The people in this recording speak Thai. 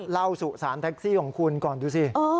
เล่าสู่สารแท็กซี่ของคุณก่อนดูสิ